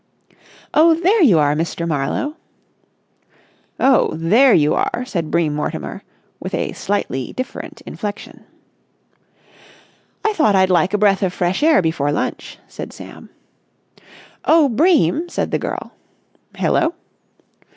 "Oh, there you are, Mr. Marlowe!" "Oh, there you are," said Bream Mortimer with a slightly different inflection. "I thought I'd like a breath of fresh air before lunch," said Sam. "Oh, Bream!" said the girl. "Hello?"